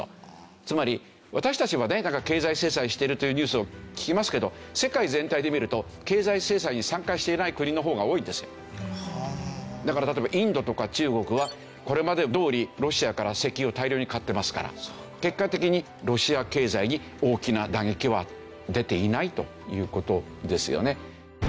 つまり私たちはね経済制裁してるというニュースを聞きますけど世界全体で見るとだから例えばインドとか中国はこれまでどおりロシアから石油を大量に買ってますから結果的にロシア経済に大きな打撃は出ていないという事ですよね。